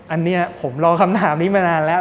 อันนี้ผมรอคำถามนี้มานานแล้ว